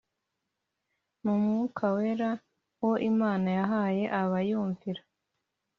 n Umwuka Wera uwo Imana yahaye abayumvira